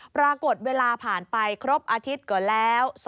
ปรากฏเวลาผ่านไปครบอาทิตย์ก่อนแล้ว